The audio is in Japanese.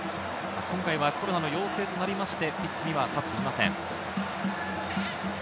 今回はコロナの陽性となりましてピッチには立っていません。